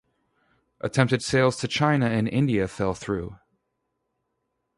Attempted sales to China and India fell through.